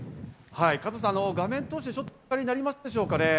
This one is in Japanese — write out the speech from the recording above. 加藤さん、画面を通してお分かりになりますでしょうかね。